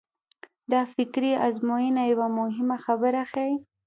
دا فکري ازموینه یوه مهمه خبره ښيي.